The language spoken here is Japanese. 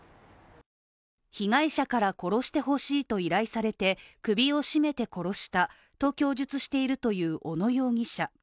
被害者から殺してほしいと依頼されて首を絞めて殺したと供述しているという小野容疑者。